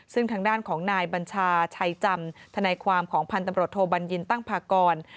ซึ่งทางด้านของนายบัญชาชัยจำทนายความของพันธุ์ตำรวจโทบัญญินตั้งพากร